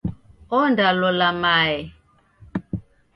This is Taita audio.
Onda lola mae.